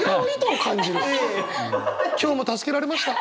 今日も助けられました。